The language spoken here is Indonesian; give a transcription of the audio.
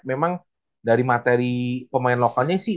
memang dari materi pemain lokalnya sih